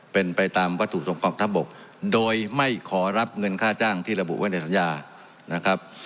เป็นไปตามวัตถุส่งของทัพบกโดยไม่ขอรับเงินค่าจ้างที่ระบุไว้ในสัญญานะครับ